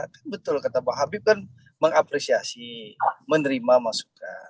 kan betul kata pak habib kan mengapresiasi menerima masukan